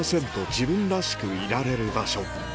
自分らしくいられる場所